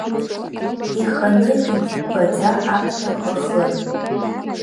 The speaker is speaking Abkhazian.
Иханы иббаӡа аԥҭақәа хын.